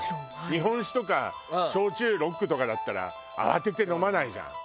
日本酒とか焼酎ロックとかだったら慌てて飲まないじゃん。